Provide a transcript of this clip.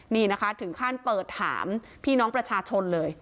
นี่นะคะถึงขั้นเปิดถามพี่น้องประชาชนเลย